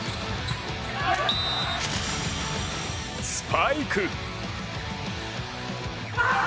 スパイク。